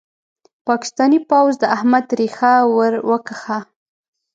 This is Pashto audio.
پاکستاني پوځ د احمد ريښه ور وکښه.